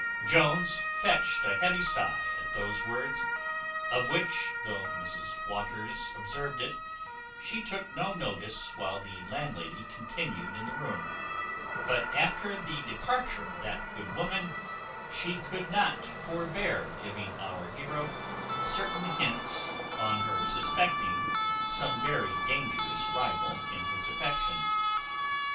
Jones fetched a heavy sigh at those words; of which, though Mrs Waters observed it, she took no notice while the landlady continued in the room; but, after the departure of that good woman, she could not forbear giving our heroe certain hints on her suspecting some very dangerous rival in his affections.